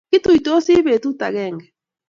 Kituitosi petut age.